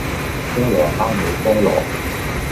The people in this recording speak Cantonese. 菠蘿包冇菠蘿